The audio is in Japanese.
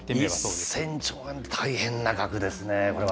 １０００兆円、大変な額ですね、これは。